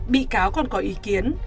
bị cáo còn có ý kiến